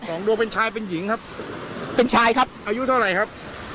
สองดวงเป็นชายเป็นหญิงครับเป็นชายครับอายุเท่าไหร่ครับ